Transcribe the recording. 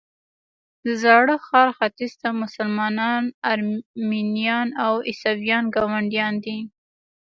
د زاړه ښار ختیځ ته مسلمانان، ارمنیان او عیسویان ګاونډیان دي.